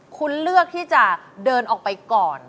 คุณเลือกที่จะเดินออกไปก่อน